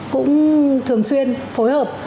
cũng thường xuyên phối hợp